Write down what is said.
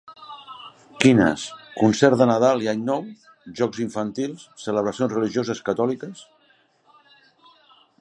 Quines, concert de Nadal i Any nou, jocs infantils, celebracions religioses catòliques.